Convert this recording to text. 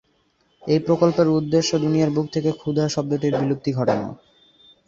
এই প্রকল্পের উদ্দেশ্য, দুনিয়ার বুক থেকে ক্ষুধা শব্দটির বিলুপ্তি ঘটানো।